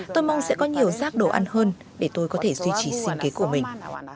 tôi mong sẽ có nhiều rác đồ ăn hơn để tôi có thể duy trì sinh kế của mình